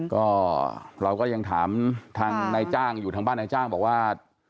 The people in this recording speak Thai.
ก็เราก็ยังถามทางนายจ้างอยู่ทางบ้านนายจ้างบอกว่า